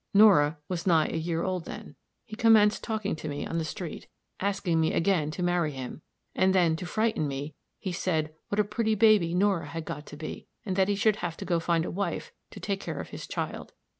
Nora was nigh a year old then. He commenced talking to me on the street, asking me again to marry him; and then, to frighten me, he said what a pretty baby Nora had got to be; and that he should have to find a wife to take care of his child.